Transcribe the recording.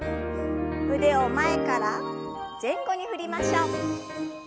腕を前から前後に振りましょう。